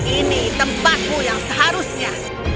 ini tempatmu yang seharusnya